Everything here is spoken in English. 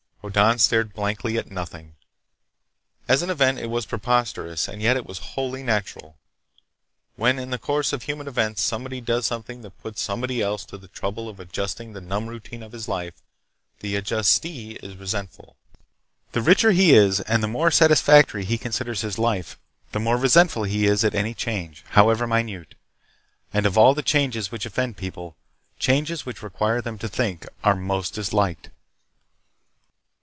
Hoddan stared blankly at nothing. As an event, it was preposterous, and yet it was wholly natural. When in the course of human events somebody does something that puts somebody else to the trouble of adjusting the numb routine of his life, the adjustee is resentful. The richer he is and the more satisfactory he considers his life, the more resentful he is at any change, however minute. And of all the changes which offend people, changes which require them to think are most disliked.